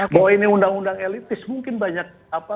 bahwa ini undang undang elitis mungkin banyak